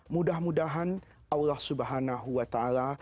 mudah mudahan allah subhanahu wa ta'ala